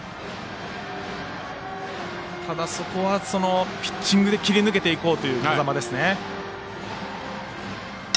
ただ、そこはピッチングで切り抜けていこうという風間ですね。